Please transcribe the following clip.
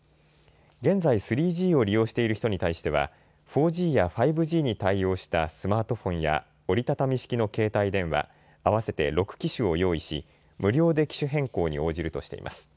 現在、３Ｇを利用している人に対しては４Ｇや５Ｇに対応したスマートフォンや折り畳み式の携帯電話、合わせて６機種を用意し無料で機種変更に応じるとしています。